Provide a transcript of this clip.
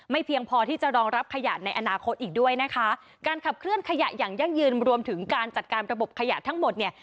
เพียงพอที่จะรองรับขยะในอนาคตอีกด้วยนะคะการขับเคลื่อนขยะอย่างยั่งยืนรวมถึงการจัดการระบบขยะทั้งหมดเนี่ย